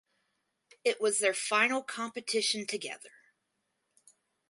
It was their final competition together.